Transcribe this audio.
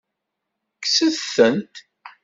Kkset-tent.